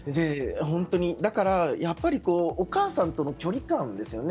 だから、やっぱりお母さんとの距離感ですよね。